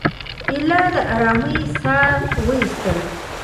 ایله د آرامۍ ساه وایستله.